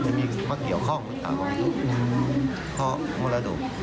จะมีเกี่ยวข้องคุณต่างหาก